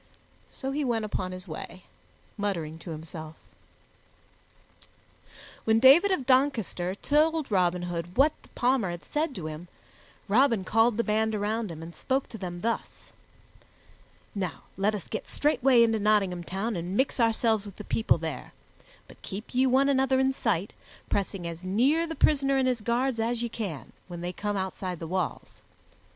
So he went upon his way, muttering to himself. When David of Doncaster told Robin Hood what the Palmer had said to him, Robin called the band around him and spoke to them thus: "Now let us get straightway into Nottingham Town and mix ourselves with the people there; but keep ye one another in sight, pressing as near the prisoner and his guards as ye can, when they come outside the walls.